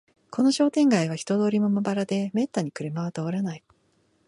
この商店街は人通りもまばらで、めったに車は通らない